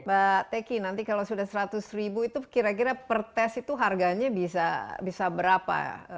mbak teki nanti kalau sudah seratus ribu itu kira kira per tes itu harganya bisa berapa